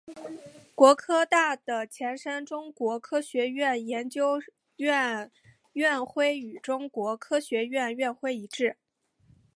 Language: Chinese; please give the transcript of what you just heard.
国科大的前身中国科学院研究生院院徽与中国科学院院徽一致。